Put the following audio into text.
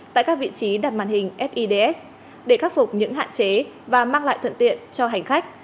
tại các vị trí đặt màn hình fids để khắc phục những hạn chế và mang lại thuận tiện cho hành khách